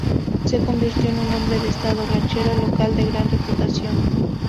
Se convirtió en un hombre de Estado ranchero local de gran reputación.